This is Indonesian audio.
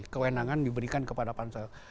kewenangan diberikan kepada pansel